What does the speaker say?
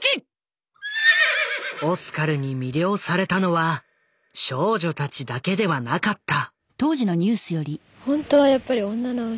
オスカルに魅了されたのは少女たちだけではなかった。